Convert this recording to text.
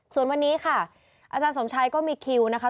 ส่วนวันนี้ค่ะอาจารย์สมชัยก็มีคิวนะคะ